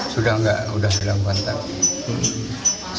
sudah enggak udah hilang pantas